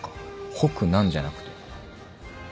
「北南」じゃなくて。